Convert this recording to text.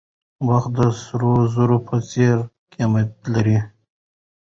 وخت د سرو زرو په څېر قیمت لري.